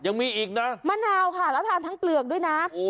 ยังมีอีกนะมะนาวค่ะแล้วทานทั้งเปลือกด้วยนะ